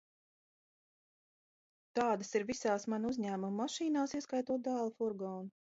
Tādas ir visās mana uzņēmuma mašīnās, ieskaitot dēla furgonu.